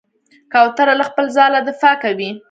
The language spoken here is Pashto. کوتره له خپل ځاله دفاع کوي.